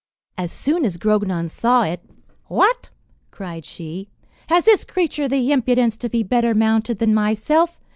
As soon as Grognon saw it, "What!" cried she, "has this creature the impudence to be better mounted than myself!